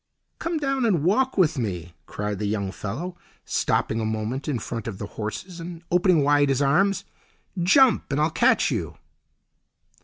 "Come down and walk with me," cried the young fellow, stopping a moment in front of the horses and opening wide his arms. "Jump! and I'll catch you!"